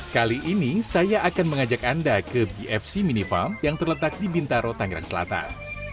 kali ini saya akan mengajak anda ke bfc mini farm yang terletak di bintaro tangerang selatan